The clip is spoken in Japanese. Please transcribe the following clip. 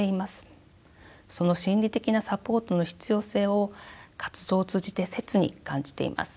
その心理的なサポートの必要性を活動を通じて切に感じています。